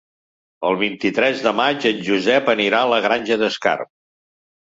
El vint-i-tres de maig en Josep anirà a la Granja d'Escarp.